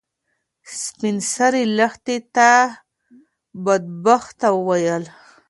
سپین سرې لښتې ته بدبخته وویل.